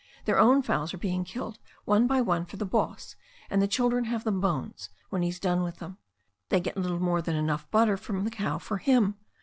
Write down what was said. Their own fowls are being killed one by one for the boss, and the children have the bones when he's done with them. They get little more than enough butter from the cow for him.